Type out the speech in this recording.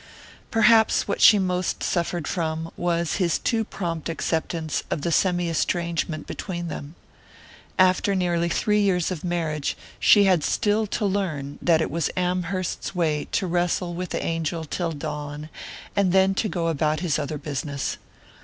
Perhaps what she most suffered from was his too prompt acceptance of the semi estrangement between them. After nearly three years of marriage she had still to learn that it was Amherst's way to wrestle with the angel till dawn, and then to go about his other business.